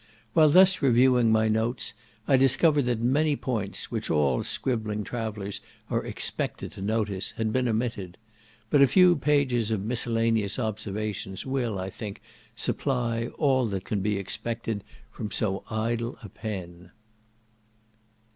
While thus reviewing my notes, I discovered that many points, which all scribbling travellers are expected to notice, had been omitted; but a few pages of miscellaneous observations will, I think, supply all that can be expected from so idle a pen.